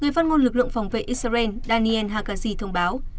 các ngôn lực lượng phòng vệ israel daniel haqazi thông báo